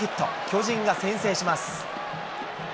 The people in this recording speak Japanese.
巨人が先制します。